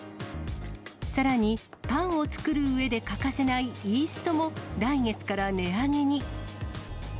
さらに、パンを作るうえで欠かせないイーストも、来月から値上げに。